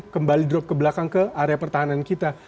kembali drop ke belakang ke area pertahanan kita